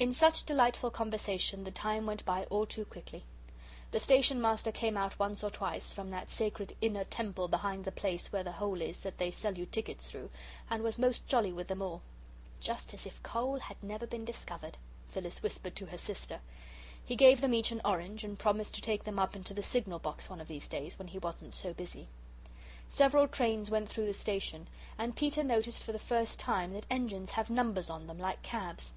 In such delightful conversation the time went by all too quickly. The Station Master came out once or twice from that sacred inner temple behind the place where the hole is that they sell you tickets through, and was most jolly with them all. "Just as if coal had never been discovered," Phyllis whispered to her sister. He gave them each an orange, and promised to take them up into the signal box one of these days, when he wasn't so busy. Several trains went through the station, and Peter noticed for the first time that engines have numbers on them, like cabs.